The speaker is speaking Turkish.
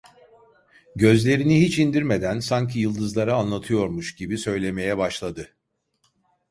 Gözlerini hiç indirmeden, sanki yıldızlara anlatıyormuş gibi, söylemeye başladı: